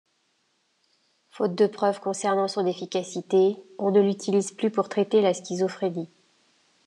Faute de preuves concernant son efficacité, on ne l’utilise plus pour traiter la schizophrénie.